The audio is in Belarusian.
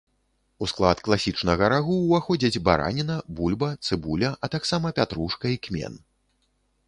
У склад класічнага рагу ўваходзяць бараніна, бульба, цыбуля, а таксама пятрушка і кмен.